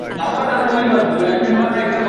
জানেন, আমি খুব ভালো চা বানাতে পারি।